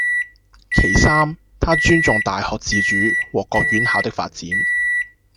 其三，她尊重大學自主和各院校的發展